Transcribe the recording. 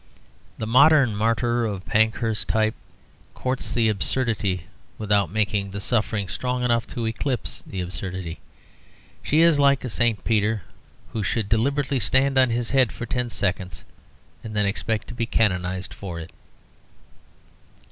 The modern martyr of the Pankhurst type courts the absurdity without making the suffering strong enough to eclipse the absurdity. She is like a St. Peter who should deliberately stand on his head for ten seconds and then expect to be canonised for it.